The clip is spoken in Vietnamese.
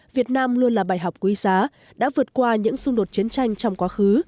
việt nam luôn là bài học quý giá đã vượt qua những xung đột chiến tranh trong quá khứ